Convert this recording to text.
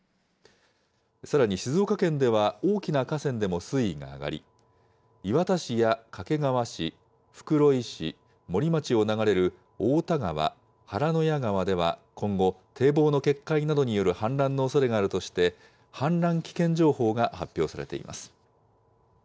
さらに静岡県では大きな河川でも水位が上がり、磐田市や掛川市、袋井市、森町を流れる太田川・原野谷川では今後、堤防の決壊などによる氾濫のおそれがあるとして、氾濫危険情報が発表されています。